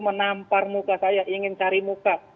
menampar muka saya ingin cari muka